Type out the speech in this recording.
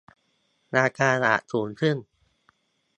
ราคาอาจสูงขึ้น